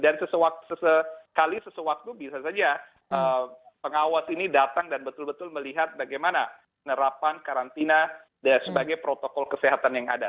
dan sesekali sesewaktu bisa saja pengawas ini datang dan betul betul melihat bagaimana nerapan karantina sebagai protokol kesehatan yang ada